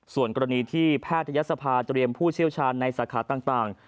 ส่วนกรณีที่แพทยศภาเตรียมผู้เชี่ยวชาญในสาขาต่าง